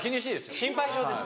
心配性です。